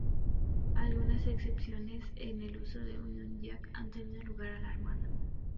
Algunas excepciones en el uso del "Union Jack" han tenido lugar en la Armada.